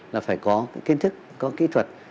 là phải có kiến thức có kỹ thuật